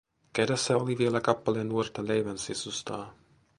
Kädessä oli vielä kappale nuorta leivänsisustaa.